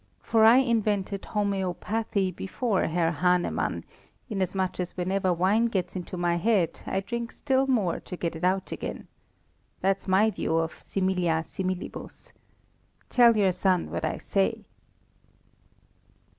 For I invented homœopathy before Herr Hahnemann, inasmuch as whenever wine gets into my head I drink still more to get it out again. That's my view of similia similibus. Tell your son what I say."